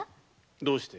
どうして？